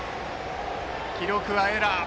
記録はエラー。